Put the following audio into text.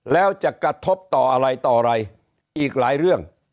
แล้วจะกระทบต่ออะไรต่ออะไรอีกหลายเรื่อง